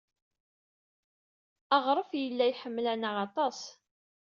Aɣref yella iḥemmel-aneɣ aṭas.